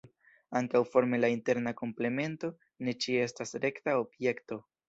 Ankaŭ forme la interna komplemento ne ĉie estas rekta objekto.